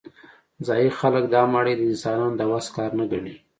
ځايي خلک دا ماڼۍ د انسانانو د وس کار نه ګڼي.